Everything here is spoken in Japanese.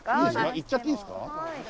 行っちゃっていいですか。